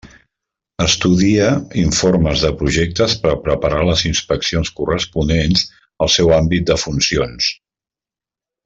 Estudia informes de projectes per preparar les inspeccions corresponents al seu àmbit de funcions.